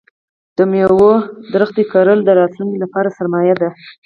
د مېوو ونه کرل د راتلونکي لپاره سرمایه ده.